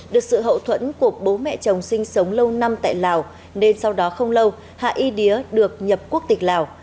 được sự hậu thuẫn của bố mẹ chồng sinh sống lâu năm tại lào nên sau đó không lâu hạ y đía được nhập quốc tịch lào